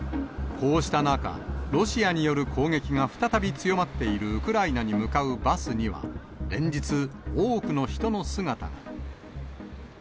こうした中、ロシアによる攻撃が再び強まっているウクライナに向かうバスには、連日、多くの人の姿が。